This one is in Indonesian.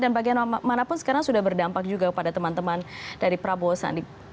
dan bagaimanapun sekarang sudah berdampak juga kepada teman teman dari prabowo sandi